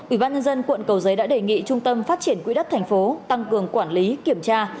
ủy ban nhân dân quận cầu giấy đã đề nghị trung tâm phát triển quỹ đất tp tăng cường quản lý kiểm tra